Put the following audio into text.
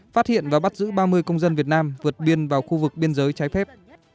phát hiện và bắt giữ ba mươi công dân việt nam vượt biên vào khu vực biên giới trái phép